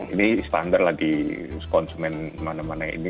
ini standar lagi konsumen mana mana ini